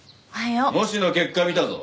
模試の結果見たぞ。